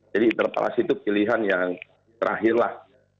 jadi interpelasi itu pilihan yang terakhirlah